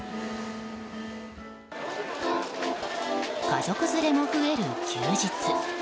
家族連れも増える休日。